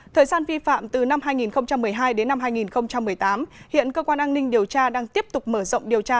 thời gian vi phạm từ năm hai nghìn một mươi hai đến năm hai nghìn một mươi tám hiện cơ quan an ninh điều tra đang tiếp tục mở rộng điều tra